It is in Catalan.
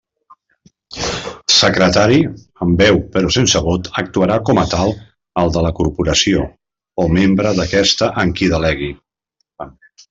Secretari, amb veu però sense vot, actuarà com a tal el de la Corporació o membre d'aquesta en qui delegui.